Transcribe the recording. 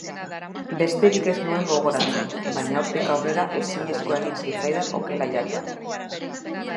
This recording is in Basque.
Besterik ez nuen gogoratzen, baina hortik aurrera ezinezkoa egin zitzaidan okela jatea.